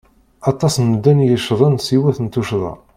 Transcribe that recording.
Aṭas n medden i yeccḍen s yiwet n tuccḍa.